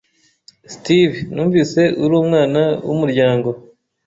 Steve, numvise uri umwana wumuryango.